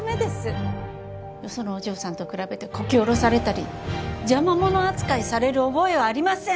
よそのお嬢さんと比べてこき下ろされたり邪魔者扱いされる覚えはありません。